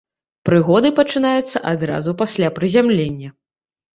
Прыгоды пачынаюцца адразу пасля прызямлення.